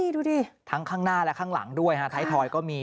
ดูครับทั้งข้างหน้าและข้างหลังด้วยฮะไทยทอยด์ก็มีครับ